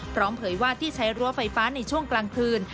เผยว่าที่ใช้รั้วไฟฟ้าในช่วงกลางคืน